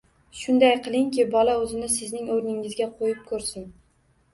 Shunday qilingki, bola o‘zini sizning o‘rningizga qo‘yib ko‘rsin.